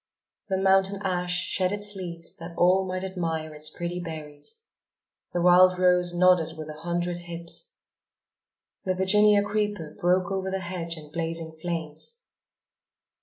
The mountain ash shed its leaves that all might admire its pretty berries; the wild rose nodded with a hundred hips; the Virginia creeper broke over the hedge in blazing flames.